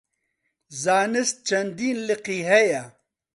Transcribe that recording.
زانست چەندین لقی هەیە.